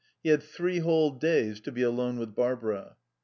He had three whole days to be alone with Barbara.